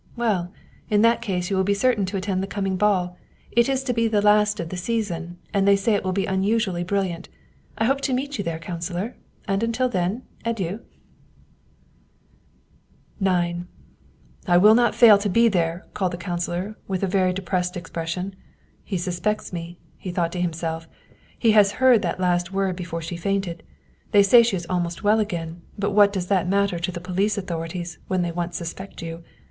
"Well, in that case you will be certain to attend the coming ball. It is to be the last of the season, and they say it will be unusually brilliant. I hope to meet you there, councilor ; and until then, adieu !" IX " I WILL not fail to be there !" called out the councilor with a very depressed expression. " He suspects me !" he thought to himself. " He has heard of that last word be ' fore she fainted. They say she is almost well again; but what does that matter to the police authorities when they once suspect you?